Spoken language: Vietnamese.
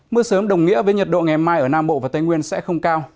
mưa sớm đồng nghĩa với nhiệt độ ngày mai ở nam bộ và tây nguyên sẽ không cao